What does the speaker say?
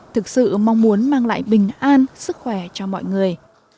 thực sự mong muốn mang lại bình an sức khỏe cho mọi người